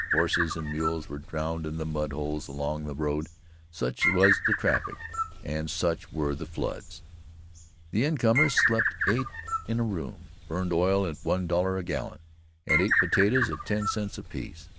Horses and mules were drowned in the mud holes along the road, such was the traffic and such were the floods. The incomers slept eight in a room, burned oil at one dollar a gallon, and ate potatoes at ten cents apiece.